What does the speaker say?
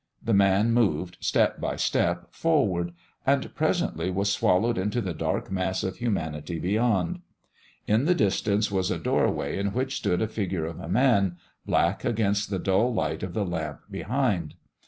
The man moved, step by step, forward, and presently was swallowed into the dark mass of humanity beyond. In the distance was a doorway in which stood a figure of a man, black against the dull light of the lamp behind.